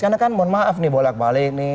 karena kan mohon maaf nih bolak balik nih